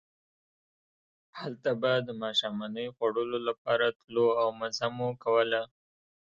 هلته به د ماښامنۍ خوړلو لپاره تلو او مزه مو کوله.